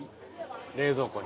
冷蔵庫に。